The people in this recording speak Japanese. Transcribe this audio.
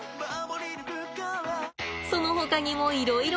そのほかにもいろいろ。